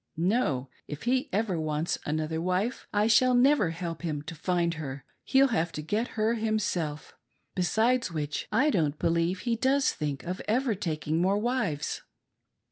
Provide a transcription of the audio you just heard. No ; if he ever wants another wife, I shall never help him to find her — he'll have to j;et her himself. Besides which, I "don't believe he does think of ever taking more wives."